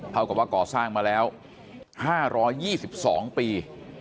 เท่ากับว่าก่อสร้างมาแล้ว๕๒๒ปี